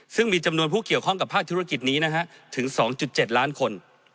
ซึ่งมีจำนวนผู้เกี่ยวข้องกับภาคธุรกิจนี้นะฮะถึง๒๗ล้านคน